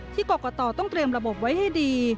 กรกตต้องเตรียมระบบไว้ให้ดี